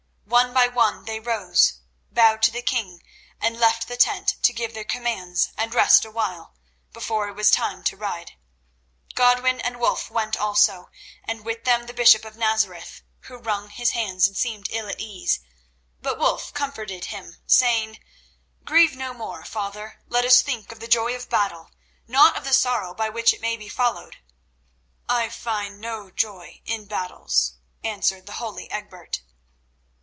One by one they rose, bowed to the king, and left the tent to give their commands and rest awhile, before it was time to ride. Godwin and Wulf went also, and with them the bishop of Nazareth, who wrung his hands and seemed ill at ease. But Wulf comforted him, saying: "Grieve no more, father; let us think of the joy of battle, not of the sorrow by which it may be followed." "I find no joy in battles," answered the holy Egbert.